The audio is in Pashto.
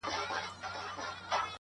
ژه دې اور لکه سکروټې د قلم شه گرانې